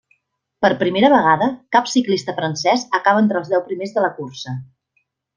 Per primera vegada, cap ciclista francès acaba entre els deu primers de la cursa.